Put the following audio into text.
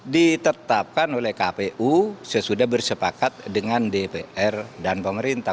ditetapkan oleh kpu sesudah bersepakat dengan dpr dan pemerintah